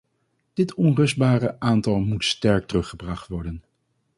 Dit onrustbare aantal moet sterk teruggebracht worden.